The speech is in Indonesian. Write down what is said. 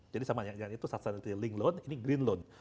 jadi sama yang itu sustainability link loan ini green loan